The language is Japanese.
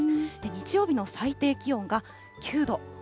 日曜日の最低気温が９度。